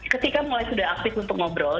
ketika mulai sudah aktif untuk ngobrol